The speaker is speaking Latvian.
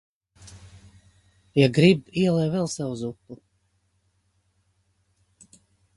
Ja grib ielej vēl sev zupu!